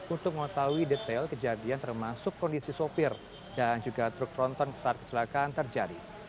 untuk mengetahui detail kejadian termasuk kondisi sopir dan juga truk tronton saat kecelakaan terjadi